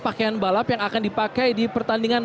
pakaian balap yang akan dipakai di pertandingan